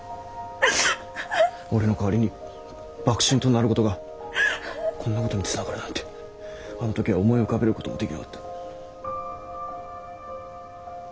俺の代わりに幕臣となることがこんなことにつながるなんてあの時は思い浮かべることもできなかった。